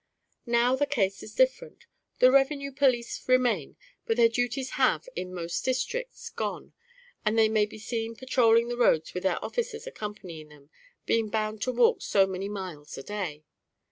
Now the case is different; the revenue police remain, but their duties have, in most districts, gone; and they may be seen patrolling the roads with their officers accompanying them, being bound to walk so many miles a day.